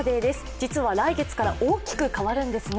実は来月から大きく変わるんですね。